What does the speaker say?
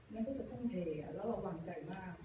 นั่นก็จะท่องเทและเราหวังใจมาก